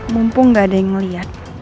mumpung gak ada yang melihat